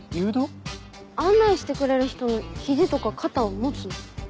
案内してくれる人の肘とか肩を持つの。